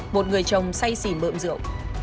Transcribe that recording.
một người chồng say xỉm bợm rượu